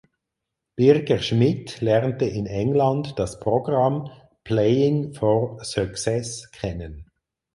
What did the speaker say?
Birger Schmidt lernte in England das Programm „Playing for success“ kennen.